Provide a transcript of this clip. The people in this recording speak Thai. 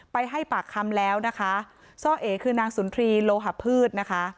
ไปให้ปากคำแล้วนะคะซ่อเอคือนางสุนทรีโลหะพืชนะคะ